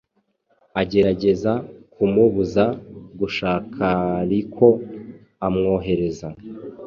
Agerageza kumubuza gushakaariko amwohereza